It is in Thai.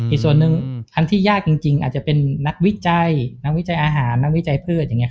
อีกส่วนหนึ่งทั้งที่ยากจริงอาจจะเป็นนักวิจัยนักวิจัยอาหารนักวิจัยพืชอย่างนี้